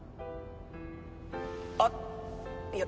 あっいや